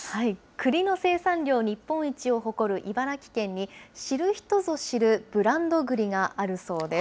くりの生産量日本一を誇る茨城県に、知る人ぞ知るブランドぐりがあるそうです。